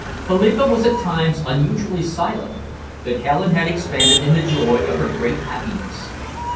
Philippa was at times unusually silent, but Helen had expanded in the joy of her great happiness.